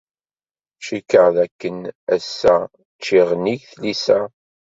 Cikkeɣ dakken ass-a ččiɣ nnig tlisa.